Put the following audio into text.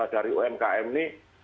dari umkm ini